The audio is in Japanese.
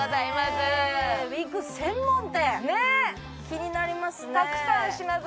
気になりますね。